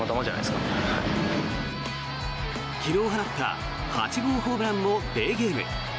昨日放った８号ホームランもデーゲーム。